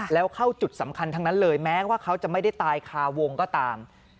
แล้วเข้าจุดสำคัญทั้งนั้นเลยแม้ว่าเขาจะไม่ได้ตายคาวงก็ตาม